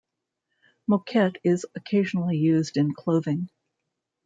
Moquette is occasionally used in clothing.